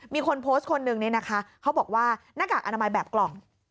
มีคนโพสต์คนนึงเนี่ยนะคะเขาบอกว่าหน้ากากอนามัยแบบกล่อง